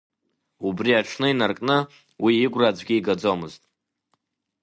Убри аҽны инаркны уи игәра аӡәгьы игаӡомызт.